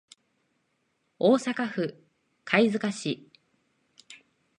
大阪府貝塚市